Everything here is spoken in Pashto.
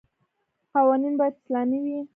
قوانین باید اسلامي وي.